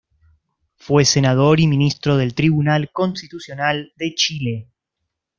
Fue senador y ministro del Tribunal Constitucional de Chile.